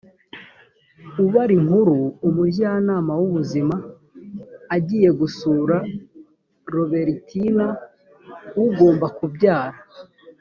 ubara inkuru umujyanama w ubuzima agiye gusura roberitina ugomba kubyara